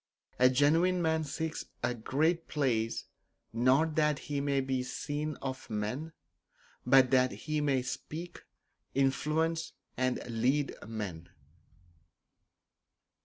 A genuine man seeks a great place, not that he may be seen of men, but that he may speak, influence and lead men.